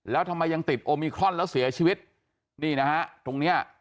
แล้วทำไมยังติดโอมิครอนแล้วเสียชีวิตนี่นะฮะตรงเนี้ย